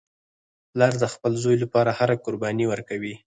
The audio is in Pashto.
پلار د خپل زوی لپاره هره قرباني ورکوي